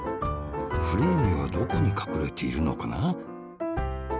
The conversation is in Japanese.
フレーミーはどこにかくれているのかな？